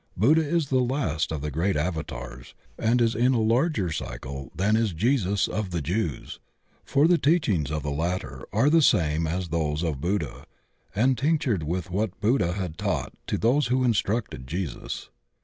Buddha is the last of the great Avatars and is in a larger cycle than is Jesus of the Jews, for 120 THE OCEAN OP THEOSOPHY the teachings of the latter are the same as those of Buddha and tinctured with what Buddha had taught to those who instructed Jesus.